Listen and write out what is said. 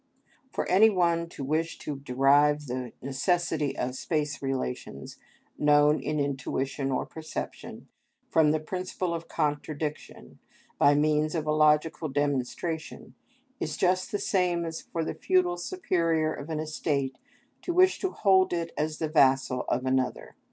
For any one to wish to derive the necessity of space relations, known in intuition or perception, from the principle of contradiction by means of a logical demonstration is just the same as for the feudal superior of an estate to wish to hold it as the vassal of another.